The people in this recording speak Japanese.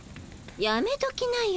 やめときなよ。